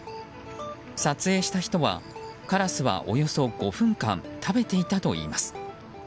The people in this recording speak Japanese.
撮影した人はカラスは、およそ５分間食べていたといいます。